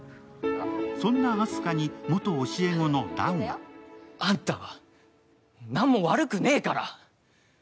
そんなあす花に元教え子の弾はあんたは何も悪くねぇから。